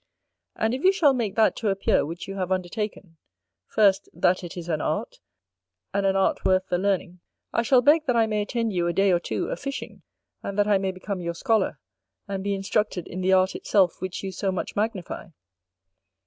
And if you shall make that to appear which you have undertaken, first, that it is an art, and an art worth the learning, I shall beg that I may attend you a day or two a fishing, and that I may become your scholar, and be instructed in the art itself which you so much magnify.